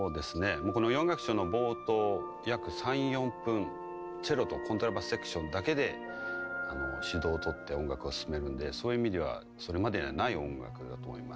もうこの４楽章の冒頭約３４分チェロとコントラバスセクションだけで主導を取って音楽を進めるのでそういう意味ではそれまでにはない音楽だと思います。